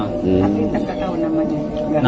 aku tak tahu namanya